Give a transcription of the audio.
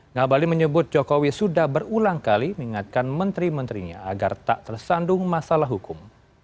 ngabali menyebut jokowi sudah berulang kali mengingatkan menteri menterinya agar tak tersandung masalah hukum